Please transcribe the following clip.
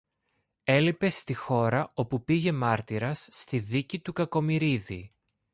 Έλειπε στη χώρα όπου πήγε μάρτυρας στη δίκη του Κακομοιρίδη